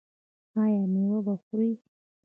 ایا میوه به خورئ؟